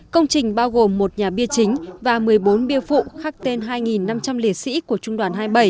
công trình bao gồm một nhà bia chính và một mươi bốn bia phụ khắc tên hai năm trăm linh liệt sĩ của trung đoàn hai mươi bảy